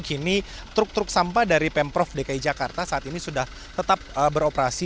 kini truk truk sampah dari pemprov dki jakarta saat ini sudah tetap beroperasi